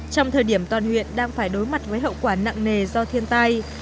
trong thời điểm toàn huyện đang phải đối mặt với hậu quả nặng nề do thiên tai